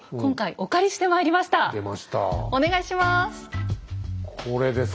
お願いします。